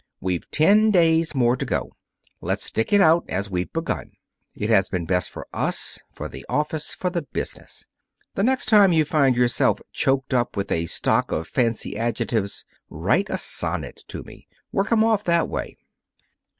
We've ten days more to go. Let's stick it out as we've begun. It has been best for us, for the office, for the business. The next time you find yourself choked up with a stock of fancy adjectives, write a sonnet to me. Work 'em off that way."